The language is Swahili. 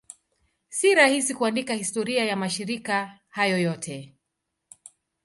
Si rahisi kuandika historia ya mashirika hayo yote.